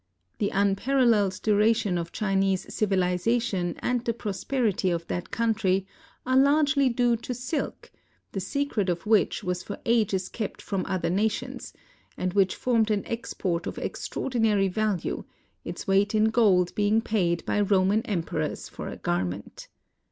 The unpar alleled duration of Chinese civilization and the prosperity of that country are largely due to silk, the secret of which was for ages kept from other nations ; and which formed an export of extraordinary value, its weight in gold being paid by Roman emperors for a garment.